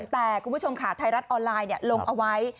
แต่คุณผู้ชมค่ะไทยรัฐออนไลน์ลงเอาไว้